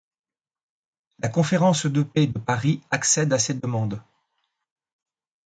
La conférence de paix de Paris accède à ces demandes.